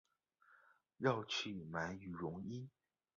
绕去买羽绒衣